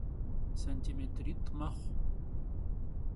Santimêtrit' mexhu.